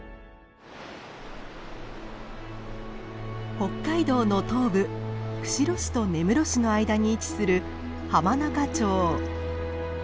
北海道の東部釧路市と根室市の間に位置する浜中町。